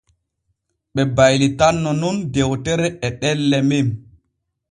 Ɓe baylitanno nun dewtere e ɗelle men.